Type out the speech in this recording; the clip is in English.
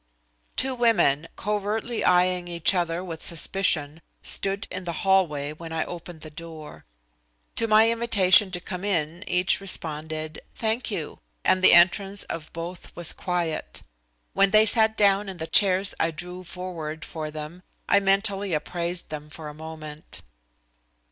Two women, covertly eyeing each other with suspicion, stood in the hallway when I opened the door. To my invitation to come in each responded "Thank you," and the entrance of both was quiet. When they sat down in the chairs I drew forward for them I mentally appraised them for a moment.